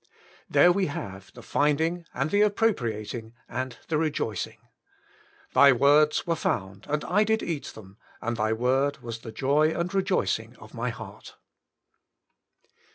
There we have the finding, and the appropriating, and the rejoicing. " Thy words Were Found, and I Did Eat them, and Thy word was the Joy and Eejoicing of my heart."